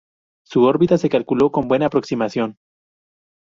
Su órbita se calculó con buena aproximación.